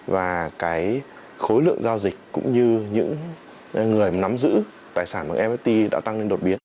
và cái khối lượng giao dịch cũng như những người nắm giữ tài sản bằng fpt đã tăng lên đột biến